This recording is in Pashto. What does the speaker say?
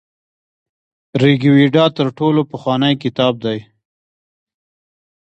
ریګویډا تر ټولو پخوانی کتاب دی.